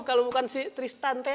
kalo bukan si tristan teh